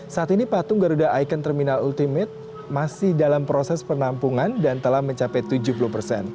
saat ini patung garuda icon terminal ultimate masih dalam proses penampungan dan telah mencapai tujuh puluh persen